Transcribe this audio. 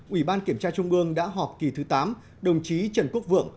ủy ban kiểm tra trung ương đã họp kỳ thứ tám đồng chí trần quốc vượng